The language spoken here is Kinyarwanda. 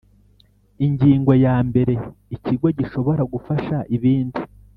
Ingingo ya mbere Ikigo gishobora gufasha ibindi